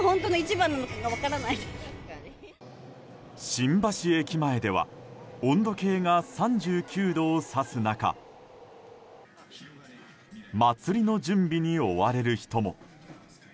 新橋駅前では温度計が３９度を指す中祭りの準備に追われる人も。